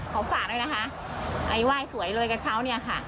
ฝากด้วยนะคะไอ้ไหว้สวยโรยกระเช้าเนี่ยค่ะ